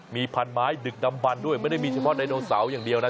มีพันไม้ดึกดำบันด้วยไม่ได้มีเฉพาะไดโนเสาร์อย่างเดียวนะ